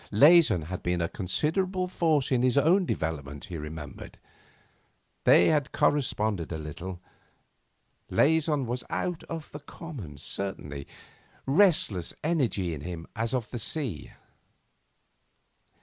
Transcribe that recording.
Leysin had been a considerable force in his own development, he remembered; they had corresponded a little since; Leysin was out of the common, certainly, restless energy in him as of the sea.